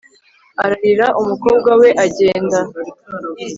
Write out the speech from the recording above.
ararira umukobwa we agenda